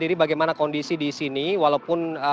dan beli jual kontak cungkup